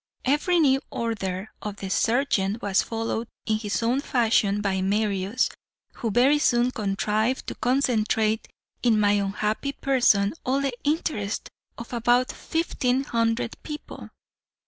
"Every new order of the sergeant was followed in his own fashion by Marius, who very soon contrived to concentrate in my unhappy person all the interest of about fifteen hundred people.